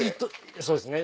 そうですね